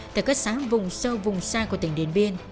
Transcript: tại các xã vùng sâu vùng xa của tỉnh điền biên